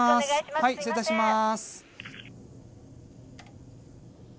はい失礼いたします。